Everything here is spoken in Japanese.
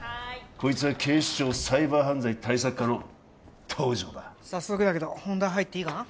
こいつは警視庁サイバー犯罪対策課の東条だ早速だけど本題入っていいかな？